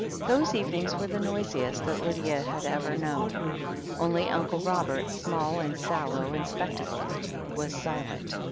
Those evenings were the noisiest that Lydia had ever known. Only Uncle Robert, small, and sallow, and spectacled, was silent.